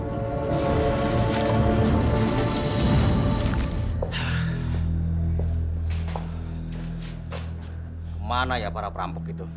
kemana ya para perampok itu